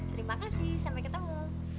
terima kasih sampai ketemu